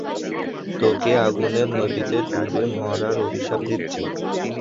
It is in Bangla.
তোকে আগুনের নদীতে ডুবে মরার অভিশাপ দিচ্ছি!